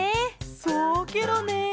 そうケロね。